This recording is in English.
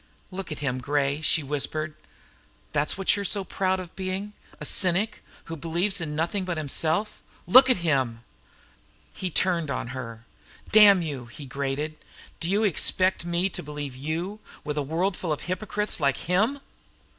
"Look at him, Gray," she whispered. "That's what you're so proud of being. A cynic, who believes in nothing but himself. Look at him!" Gray turned on her. "Damn you!" he grated. "Do you expect me to believe you, with the world full of hypocrites like him?"